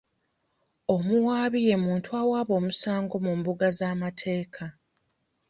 Omuwaabi ye muntu awaaba omusango mu mbuga z'amateeka.